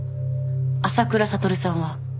浅倉悟さんは？